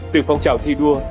từ phong trào thi đua